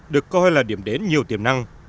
được coi là điểm đến nhiều tiềm năng